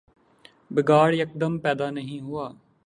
بگاڑ یکدم پیدا نہیں ہوا۔